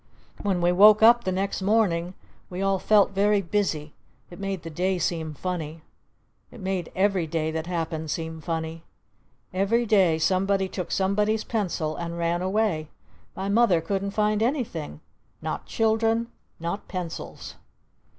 When we woke up the next morning we all felt very busy. It made the day seem funny. It made every day that happened seem funny. Every day somebody took somebody's pencil and ran away! My Mother couldn't find anything! Not children! Not pencils!